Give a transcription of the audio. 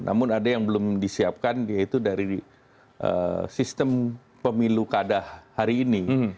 namun ada yang belum disiapkan yaitu dari sistem pemilu kadah hari ini